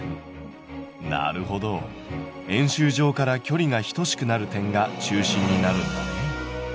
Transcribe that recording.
なるほど円周上から距離が等しくなる点が中心になるんだね。